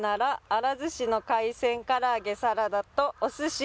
「あらずしの海鮮からあげサラダとおすし」